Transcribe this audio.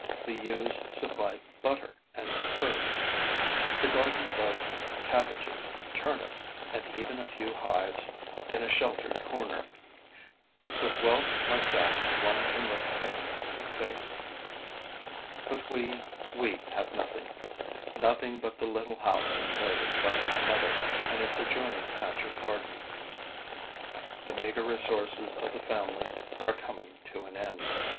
The ewes supply butter and curds; the garden boasts cabbages, turnips and even a few hives in a sheltered corner. With wealth like that one can look fate in the face. But we, we have nothing, nothing but the little house inherited by my mother and its adjoining patch of garden. The meager resources of the family are coming to an end.